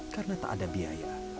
karena tak ada biaya